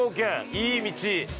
いい道。